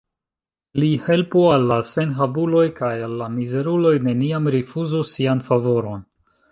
Li helpu al la senhavuloj, kaj al la mizeruloj neniam rifuzu sian favoron.